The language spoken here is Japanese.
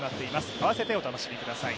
合わせてお楽しみください。